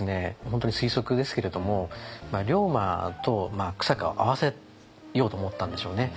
本当に推測ですけれども龍馬と久坂を会わせようと思ったんでしょうね。